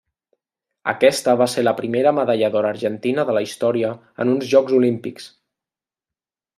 Aquesta va ser la primera medalla d'or argentina de la història en uns Jocs Olímpics.